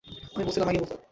আমি বলসিলাম, আগেই বলতে।